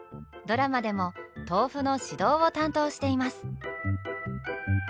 ドラマでも豆腐の指導を担当しています。